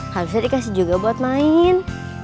harusnya dikasih juga buat main